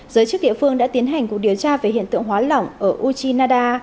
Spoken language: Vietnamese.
giới chức địa phương đã tiến hành cuộc điều tra về hiện tượng hóa lỏng ở uchinada